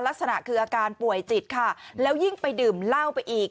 ลักษณะคืออาการป่วยจิตค่ะแล้วยิ่งไปดื่มเหล้าไปอีก